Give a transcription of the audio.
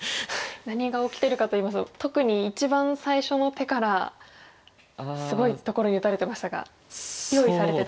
何が起きてるかといいますと特に一番最初の手からすごいところに打たれてましたが用意されてたんですか。